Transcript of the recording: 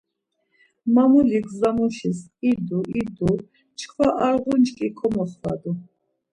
Mamuli gza muşis idu idu do çkva ar ğunçki komoxvadu.